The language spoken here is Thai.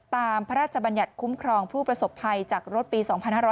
พระราชบัญญัติคุ้มครองผู้ประสบภัยจากรถปี๒๕๕๙